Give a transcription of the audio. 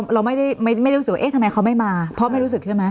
เราไม่ได้รู้สึกว่าเอ๊ะทำไมเขาไม่มาเพราะไม่รู้สึกใช่ไหม